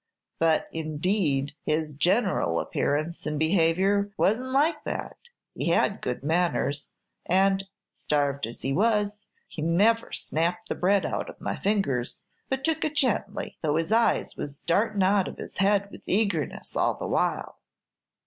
But indeed his general appearance and behavior was n't like that; he had good manners, and, starved as he was, he never snapped the bread out of my fingers, but took it gently, though his eyes was dartin' out of his head with eagerness all the while."